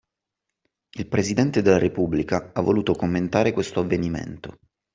Il presidente della repubblica ha voluto commentare questo avvenimento